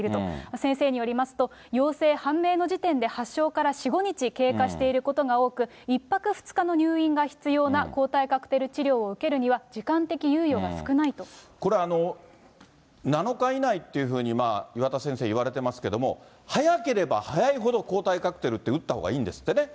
先生によりますと、陽性判明の時点で発症から４、５日経過していることが多く、１泊２日の入院が必要な抗体カクテル治療を受けるには、これ、７日以内っていうふうに岩田先生、いわれてますけども、早ければ早いほど抗体カクテルって打ったほうがいいんですってね。